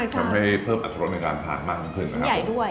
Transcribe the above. ทำให้เพิ่มอัตรรสในร้านผัสมากขึ้นนะครับ